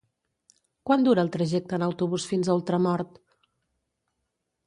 Quant dura el trajecte en autobús fins a Ultramort?